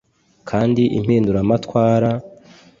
kandi impinduramatwara,